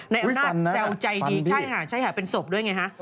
ในอำนาจแซวใจดีใช้หาเป็นศพด้วยไงฮะ